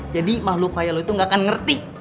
jadi makhluk kaya lo itu gak akan ngerti